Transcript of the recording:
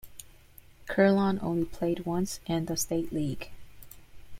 Kerlon only played once in the state league.